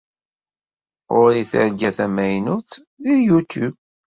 Ɣer-i targa tamaynut deg Youtube.